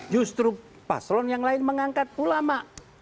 justru paslon yang lain mengangkat ulama